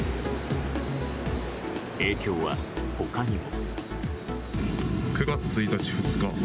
影響は他にも。